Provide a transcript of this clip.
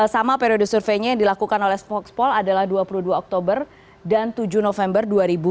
sama periode surveinya yang dilakukan oleh foxpol adalah dua puluh dua oktober dan tujuh november dua ribu dua puluh